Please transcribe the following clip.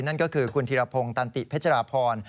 นั่นก็คือคุณธิรพงศ์ตันติเพชรพร